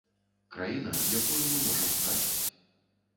Краіна, якую мы можам страціць.